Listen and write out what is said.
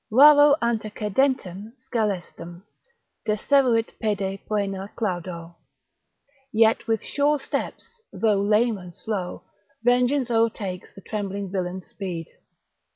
Raro antecedentem scelestum Deseruit pede poena claudo. Yet with sure steps, though lame and slow, Vengeance o'ertakes the trembling villain's speed.